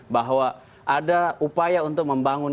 bahwa ada upaya untuk membangun